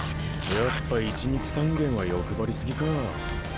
やっぱ１日３軒は欲張りすぎかぁ。